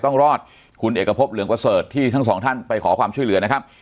ต้องรอดคุณเอกพบเหลืองประเสริฐที่ทั้งสองท่านไปขอความช่วยเหลือนะครับ